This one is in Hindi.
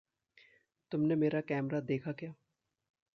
तुमने मेरा कैमरा देखा क्या?